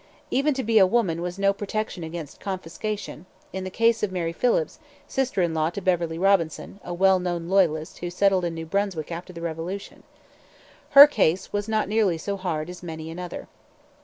Even to be a woman was no protection against confiscation in the case of Mary Phillips, sister in law to Beverley Robinson, a well known Loyalist who settled in New Brunswick after the Revolution. Her case was not nearly so hard as many another.